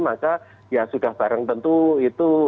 maka ya sudah barang tentu itu